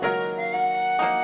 yang ini udah kecium